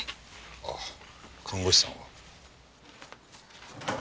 あっ看護師さんを。